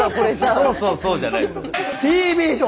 そうそうそうじゃない。